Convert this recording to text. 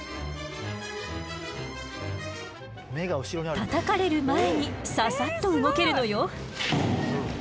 たたかれる前にササッと動けるのよ。